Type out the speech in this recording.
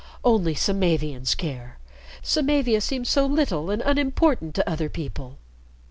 Only Samavians care. Samavia seems so little and unimportant to other people.